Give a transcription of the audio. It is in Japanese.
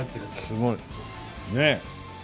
すごいねえ。